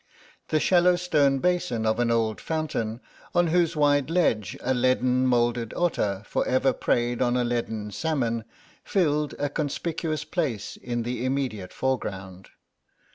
The shallow stone basin of an old fountain, on whose wide ledge a leaden moulded otter for ever preyed on a leaden salmon, filled a conspicuous place in the immediate foreground.